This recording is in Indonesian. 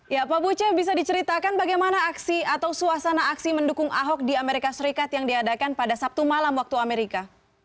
ya pak buce bisa diceritakan bagaimana aksi atau suasana aksi mendukung ahok di amerika serikat yang diadakan pada sabtu malam waktu amerika